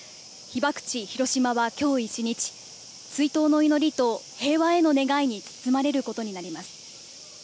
被爆地、広島はきょう一日、追悼の祈りと平和への願いに包まれることになります。